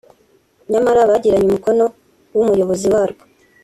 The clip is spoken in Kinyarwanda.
nyamara bariganye umukono w’umuyobozi waryo